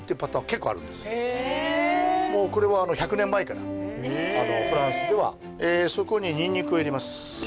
もうこれはへえフランスではそこにニンニクを入れます